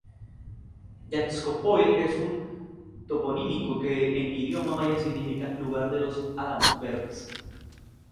Yaxcopoil es un toponímico que en idioma maya significa "lugar de los álamos verdes".